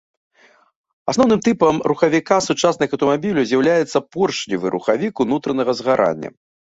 Асноўным тыпам рухавіка сучасных аўтамабіляў з'яўляецца поршневы рухавік унутранага згарання.